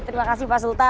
terima kasih pak sultan